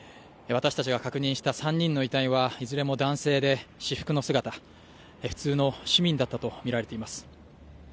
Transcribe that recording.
私たちが確認した３人の遺体はいずれも男性で、私服の姿普通の市民だったと見られています。